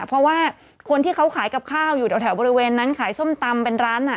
เพราะว่าคนที่เขาขายกับข้าวอยู่แถวบริเวณนั้นขายส้มตำเป็นร้าน